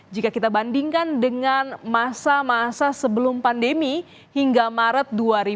jika kita bandingkan dengan masa masa sebelum pandemi hingga maret dua ribu dua puluh